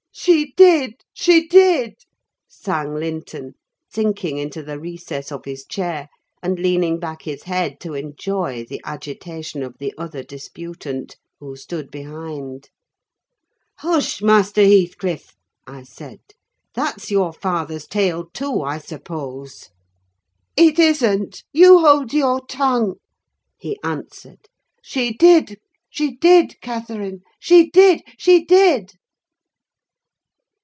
"She did! she did!" sang Linton, sinking into the recess of his chair, and leaning back his head to enjoy the agitation of the other disputant, who stood behind. "Hush, Master Heathcliff!" I said; "that's your father's tale, too, I suppose." "It isn't: you hold your tongue!" he answered. "She did, she did, Catherine! she did, she did!"